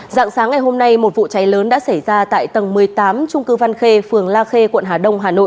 dạng sáng ngày hôm nay một vụ cháy lớn đã xảy ra tại tầng một mươi tám trung cư văn khê phường la khê quận hà đông hà nội